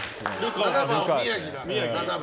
７番は宮城だ。